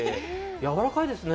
やわらかいですね。